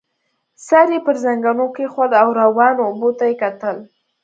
سر يې پر زنګنو کېښود او روانو اوبو ته يې کتل.